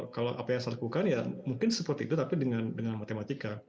kalau apa yang saya lakukan ya mungkin seperti itu tapi dengan matematika